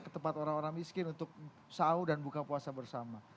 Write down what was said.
ke tempat orang orang miskin untuk sahur dan buka puasa bersama